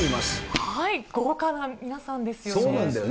豪華な皆さんですよね。